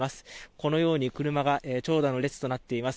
このように車が長蛇の列となっています。